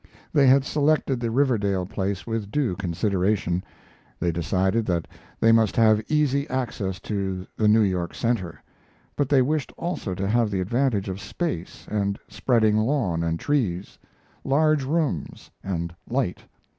They had selected the Riverdale place with due consideration. They decided that they must have easy access to the New York center, but they wished also to have the advantage of space and spreading lawn and trees, large rooms, and light.